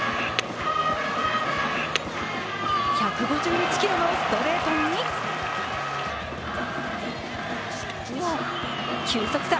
１５１キロのストレートに球速差